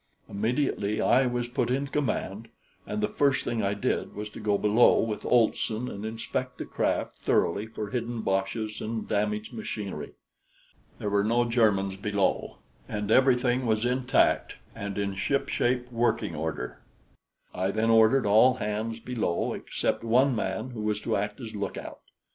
Immediately I was put in command, and the first thing I did was to go below with Olson and inspect the craft thoroughly for hidden boches and damaged machinery. There were no Germans below, and everything was intact and in ship shape working order. I then ordered all hands below except one man who was to act as lookout.